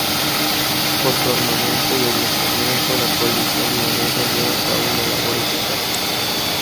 Por su armamento y adiestramiento, la policía libanesa lleva a cabo una labor eficaz.